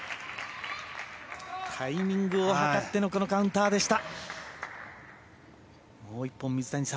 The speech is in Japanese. タイミングを図ってのこのカウンターでした。